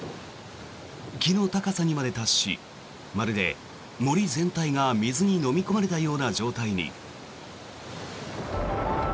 木の高さにまで達しまるで森全体が水にのみ込まれたような状態に。